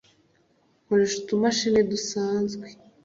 nkoresha utumashini dusanzwe